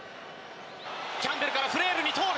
キャンベルからフレールに通る。